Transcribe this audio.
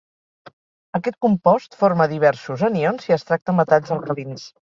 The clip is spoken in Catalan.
Aquest compost forma diversos anions si es tracta amb metalls alcalins.